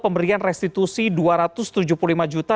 pemberian restitusi dua ratus tujuh puluh lima juta